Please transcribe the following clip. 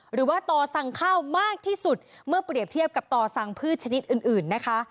หรือว่าต่อสั่งข้าวมากที่สุดเมื่อเปรียบเทียบกับต่อสั่งพืชชนิดอื่นนะคะ